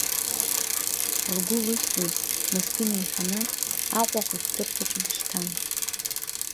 Лгәы лыхьуеит, мызкы инеиҳаны Аҟәа ахәышәтәырҭаҿы дышьҭан.